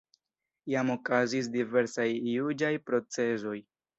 Jam okazis diversaj juĝaj procesoj.